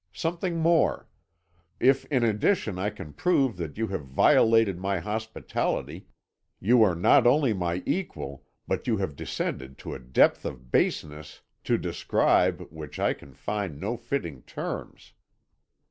Something more. If in addition I can prove that you have violated my hospitality, you are not only not my equal, but you have descended to a depth of baseness to describe which I can find no fitting terms.'